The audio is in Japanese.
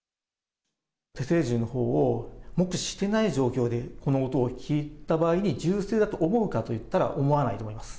手製銃のほうを目視してない状況でこの音を聞いた場合に、銃声だと思うかといったら、思わないと思います。